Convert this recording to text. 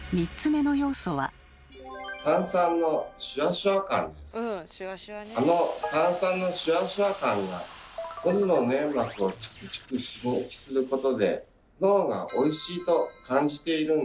あの炭酸のシュワシュワ感がのどの粘膜をチクチク刺激することで脳が「おいしい」と感じているんです。